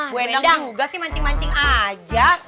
bu endang enggak sih mancing mancing aja